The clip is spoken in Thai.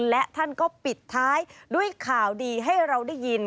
และท่านก็ปิดท้ายด้วยข่าวดีให้เราได้ยิน